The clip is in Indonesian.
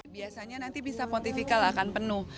biasanya nanti bisa pontifikal akan penuh